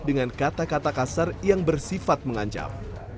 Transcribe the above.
dengan kata kata kasar yang bersifat mengancam